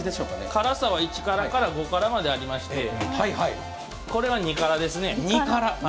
辛さは１辛から５辛までありましてこれは２辛ですね。